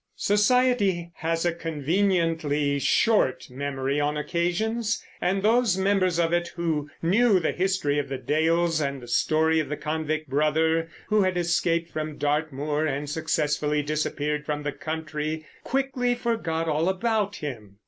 Society has a conveniently short memory on occasions, and those members of it, who knew the history of the Dales and the story of the convict brother who had escaped from Dartmoor and successfully disappeared from the country, quickly forgot all about him.